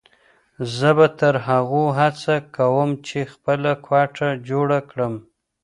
زه به تر هغو هڅه کوم چې خپله کوټه جوړه کړم.